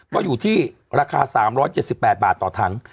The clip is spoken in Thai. ก็อยู่ที่ราคา๓๗๘บาทต่อถัง